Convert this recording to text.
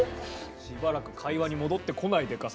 しばらく会話に戻ってこないデカさ。